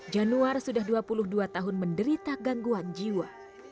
januar sudah dua puluh dua tahun menderita gangguan jiwa